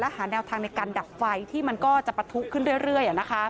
หาแนวทางในการดับไฟที่มันก็จะปะทุขึ้นเรื่อย